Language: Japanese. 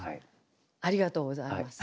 ありがとうございます。